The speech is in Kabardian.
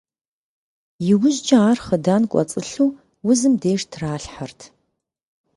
Иужькӏэ ар хъыдан кӏуэцӏылъу узым деж тралъхьэрт.